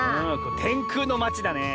てんくうのまちだねえ。